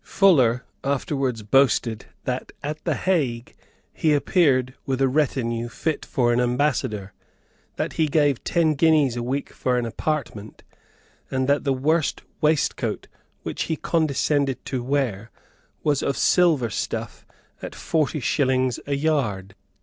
Fuller afterwards boasted that, at the Hague, he appeared with a retinue fit for an ambassador, that he gave ten guineas a week for an apartment, and that the worst waistcoat which he condescended to wear was of silver stuff at forty shillings a yard.